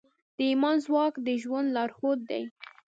د ایمان ځواک د ژوند لارښود دی.